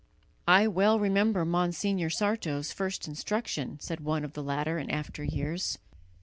"I well remember Monsignor Sarto's first instruction," said one of the latter in after years.